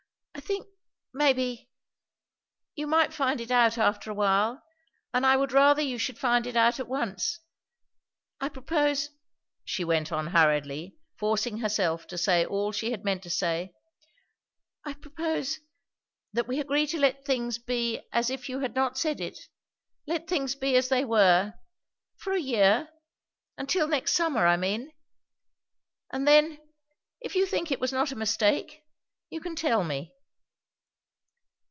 "I think maybe, you might find it out after a while; and I would rather you should find it out at once. I propose," she went on hurriedly, forcing herself to say all she had meant to say; "I propose, that we agree to let things be as if you had not said it; let things be as they were for a year, until next summer, I mean. And then, if you think it was not a mistake, you can tell me."